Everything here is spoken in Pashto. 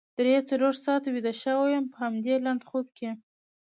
درې یا څلور ساعته ویده شوې وم په همدې لنډ وخت کې.